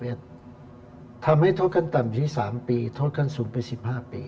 ทำให้โทษขั้นต่ำอยู่ที่๓ปีโทษขั้นสูงไป๑๕ปี